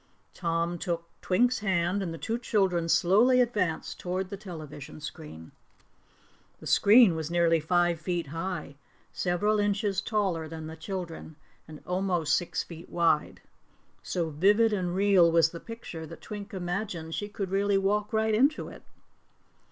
Tom took Twink's hand and the two children slowly advanced toward the television screen. The screen was nearly five feet high several inches taller than the children and almost six feet wide. So vivid and real was the picture that Twink imagined she could really walk right into it.